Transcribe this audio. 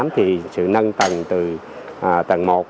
thì sự nâng tầng từ tầng một